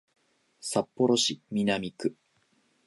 札幌市南区